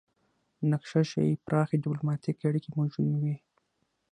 نقشه ښيي پراخې ډیپلوماتیکې اړیکې موجودې وې